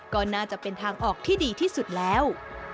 ก็น่าจะเป็นทางออกที่ดีที่สุดแล้ว